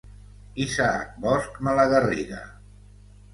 Isaac Bosch Malagarriga.